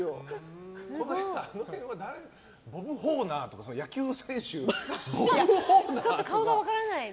ボブ・ホーナーとか野球選手。